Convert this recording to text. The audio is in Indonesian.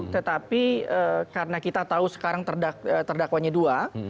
tetapi karena kita tahu sekarang terdakwanya dua